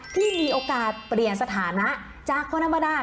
ที่มีโอกาสเปลี่ยนสถานะจากคนธรรมดา